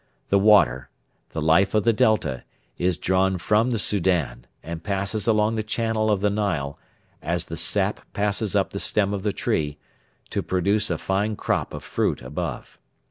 The water the life of the Delta is drawn from the Soudan, and passes along the channel of the Nile, as the sap passes up the stem of the tree, to produce a fine crop of fruit above.